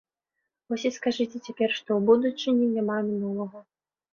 Вось і скажыце цяпер, што ў будучыні няма мінулага.